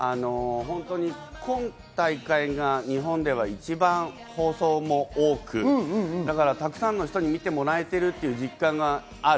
今大会が日本では一番放送も多く、だからたくさんの人に見てもらえているという実感がある。